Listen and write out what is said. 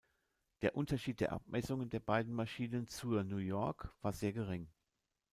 Der Unterschied der Abmessungen der beiden Maschinen zur New York war sehr gering.